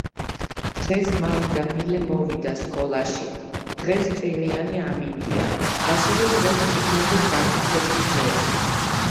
დღეს მარი და მილე მოვიდა სკოლაში დღეს წვიმიანი ამინდია ასევე დღეს წიგნების გაჩუქების დღეა